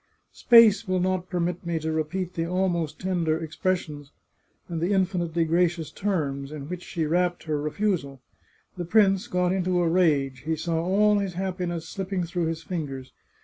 Space will not permit me to repeat the almost tender ex pressions, and the infinitely gracious terms, in which she wrapped her refusal. The prince got into a rage; he saw all his happiness slipping through his fingers.